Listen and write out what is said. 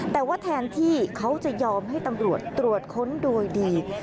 แต่ว่าแทนที่เขาจะยอมให้ตำรวจตรวจค้นโดยดี